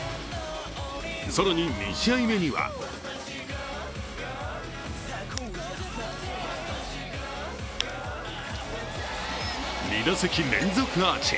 更に、２試合目には２打席連続アーチ。